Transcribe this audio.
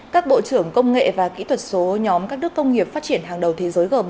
các bộ trưởng công nghệ và kỹ thuật số nhóm các nước công nghiệp phát triển hàng đầu thế giới g bảy